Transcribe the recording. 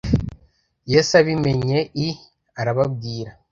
Yesu abimenye i arababwira